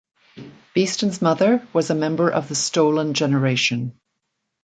Beetson's mother was a member of the Stolen Generation.